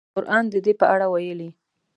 قران د دې په اړه ویلي.